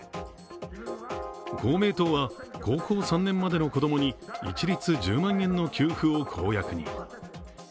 公明党は、高校３年までの子供に一律１０万円の給付を公約に。